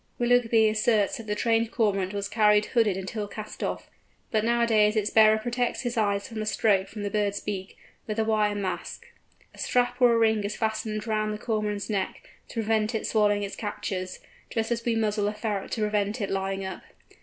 Willughby asserts that the trained Cormorant was carried hooded until cast off, but nowadays its bearer protects his eyes from a stroke from the bird's beak, with a wire mask. A strap or a ring is fastened round the Cormorant's neck, to prevent it swallowing its captures, just as we muzzle a ferret to prevent it lying up.